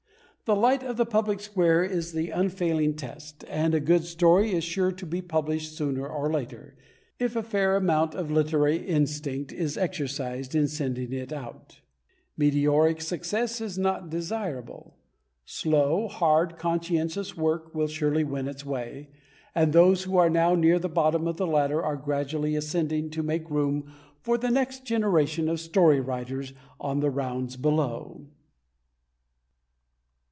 The light of the public square is the unfailing test, and a good story is sure to be published sooner or later, if a fair amount of literary instinct is exercised in sending it out. Meteoric success is not desirable. Slow, hard, conscientious work will surely win its way, and those who are now near the bottom of the ladder are gradually ascending to make room for the next generation of story writers on the rounds below.